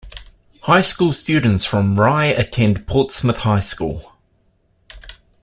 High school students from Rye attend Portsmouth High School.